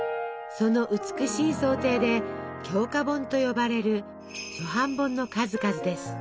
その美しい装丁で「鏡花本」と呼ばれる初版本の数々です。